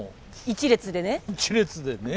一列でね。